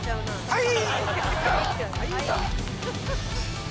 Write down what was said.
はい！